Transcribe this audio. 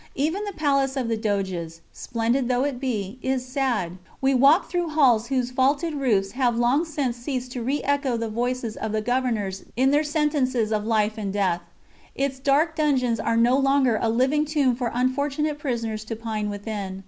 Even the Palace of the Doges, splendid though it be, is sad; we walked through halls whose vaulted roofs have long since ceased to re echo the voices of the governors in their sentences of life and death. Its dark dungeons are no longer a living tomb for unfortunate prisoners to pine within.